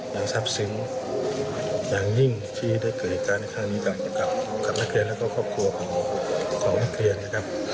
ในทางนี้กับนักเรียนและก็ครอบครัวของนักเรียนนะครับ